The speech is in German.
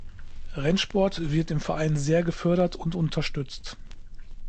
Rennsport wird im Verein sehr gefördert und unterstützt.